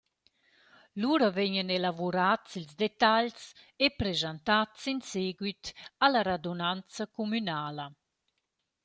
Lura vegnan elavurats ils detagls e preschantats in seguit a la radunanza cumünala.